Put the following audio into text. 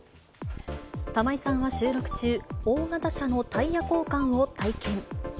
玉井さんは収録中、大型車のタイヤ交換を体験。